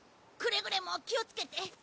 くれぐれも気をつけて。